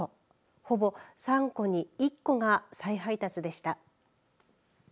ほぼ３個に１個が再配達でした。